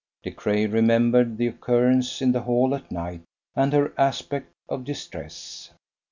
De Craye remembered the occurrence in the Hall at night, and her aspect of distress.